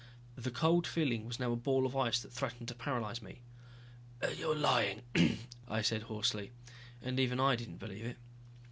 The cold feeling was now a ball of ice that threatened to paralyze me. "You're lying," I said hoarsely, and even I didn't believe it.